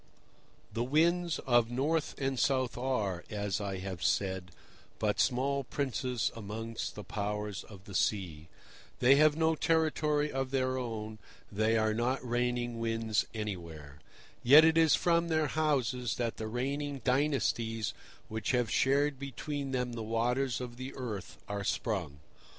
The winds of North and South are, as I have said, but small princes amongst the powers of the sea. They have no territory of their own; they are not reigning winds anywhere. Yet it is from their houses that the reigning dynasties which have shared between them the waters of the earth are sprung.